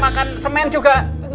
makan semen juga